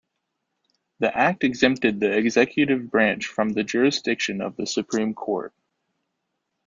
The Act exempted the Executive Branch from the jurisdiction of the Supreme Court.